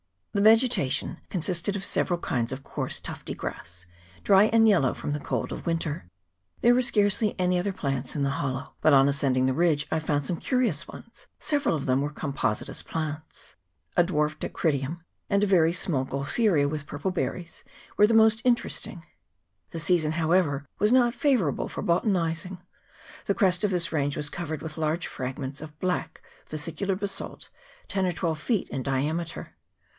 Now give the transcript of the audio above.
The vegetation consisted of several kinds of coarse tufty grass, dry and yellow from the cold of winter. There were scarcely any other plants in the hollow, but on ascending the ridge I found some curious ones ; several of them were compositous plants. A dwarf Dacrydium, and a very small Gaultheria with purple berries, were the most interesting. The season, however, was not favourable for bota nizing. The crest of this range was covered with large fragments of black vesicular basalt, ten or twelve feet in diameter.